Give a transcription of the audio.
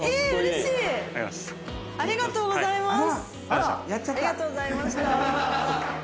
ありがとうございます。